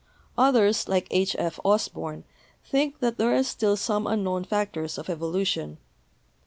Others, like H. F. Osborn, think that there are still some unknown factors of evolution.